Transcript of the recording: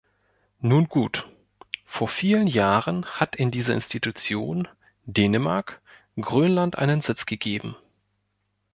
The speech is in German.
Nun gut, vor vielen Jahren hat in dieser Institution Dänemark Grönland einen Sitz gegeben.